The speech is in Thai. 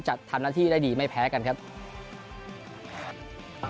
จะทำหน้าที่ได้ดีไม่แพ้กันครับ